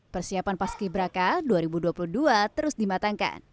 persiapan paski braka dua ribu dua puluh dua terus dimatangkan